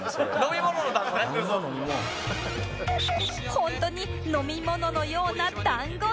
ホントに飲み物のような団子なのか？